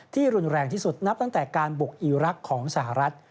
รุนแรงที่สุดนับตั้งแต่การบุกอีรักษ์ของสหรัฐ